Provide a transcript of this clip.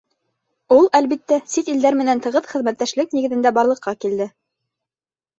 Ул, әлбиттә, сит илдәр менән тығыҙ хеҙмәттәшлек нигеҙендә барлыҡҡа килде.